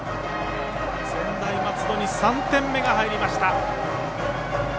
専大松戸に３点目が入りました。